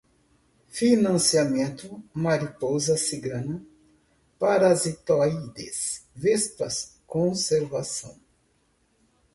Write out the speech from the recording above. financiamento, mariposa cigana, parasitoides, vespas, conservação